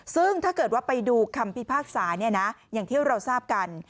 ซึ่งถ้าเกิดว่าไปดูคำพิพากษาอย่างที่เราทราบกัน